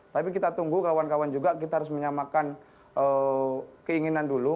tapi kita tunggu kawan kawan juga kita harus menyamakan keinginan dulu